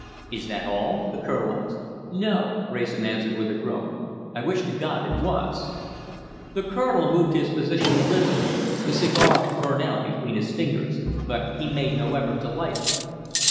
"Is that all?" the Colonel asked. "No!" Wrayson answered with a groan. "I wish to God it was!" The Colonel moved his position a little. The cigar had burnt out between his fingers, but he made no effort to light it.